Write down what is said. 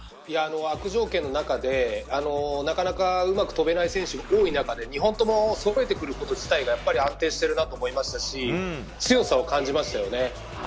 悪条件の中でなかなかうまく跳べない選手も多い中で２本とも飛べてくることがやっぱり安定しているなと思いましたし強さを感じましたよね。